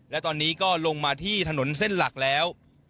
และตอนนี้ก็ลงมาที่ถนนเส้นหลักแล้ว